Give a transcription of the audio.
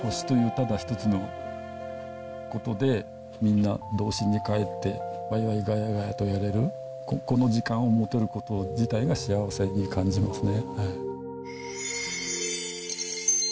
ただ一つのことで、みんな、童心にかえって、わいわいがやがやとやれる、この時間を持てること自体が幸せに感じますね。